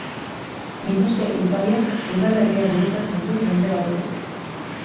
Biduze ibaiak udalerria gurutzatzen du, mendebaldetik.